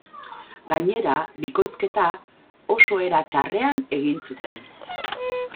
Gainera, bikoizketa oso era txarrean egin zuten.